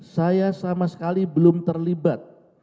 saya sama sekali belum terlibat